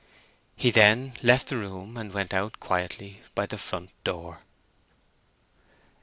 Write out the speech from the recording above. He then left the room, and went out quietly by the front door.